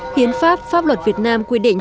hiến pháp pháp luật việt nam quy định